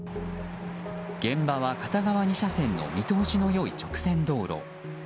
現場は片側２車線の見通しの良い直線道路。